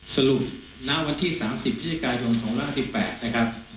สรุปณวันที่๓๐พฤศจิกายน๒๕๘นะครับ